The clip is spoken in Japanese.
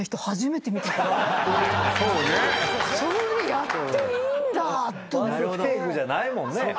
そうね。